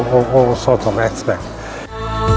dan yang sangat mudah untuk menjaga kepentingan